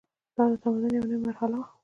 دا د تمدن یوه نوې مرحله وه.